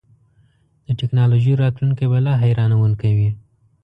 د ټیکنالوژۍ راتلونکی به لا حیرانوونکی وي.